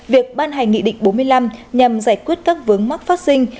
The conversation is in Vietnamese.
việc ban hành nghị định bốn mươi năm nhằm giải quyết các vướng mắc phát sinh